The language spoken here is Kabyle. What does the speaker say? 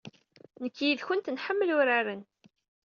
Nekk yid-kent nḥemmel uraren.